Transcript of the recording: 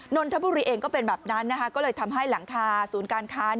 นนทบุรีเองก็เป็นแบบนั้นนะคะก็เลยทำให้หลังคาศูนย์การค้า